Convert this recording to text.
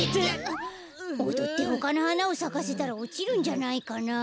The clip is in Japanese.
おどってほかのはなをさかせたらおちるんじゃないかな。